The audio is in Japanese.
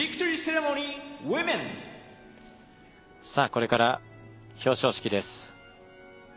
これから表彰式です。